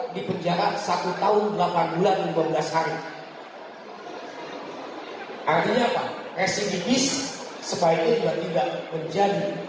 di penjara satu tahun delapan bulan dua belas hari artinya apa residivis sebaiknya juga tidak menjadi